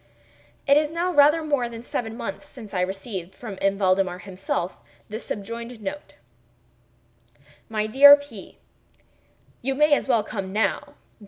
It is now rather more than seven months since I received, from M. Valdemar himself, the subjoined note: MY DEAR P——, You may as well come now.